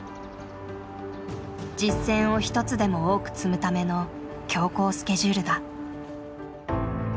実戦を一つでも多く積むための強行スケジュールだ。